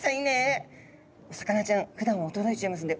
お魚ちゃんふだんは驚いちゃいますので。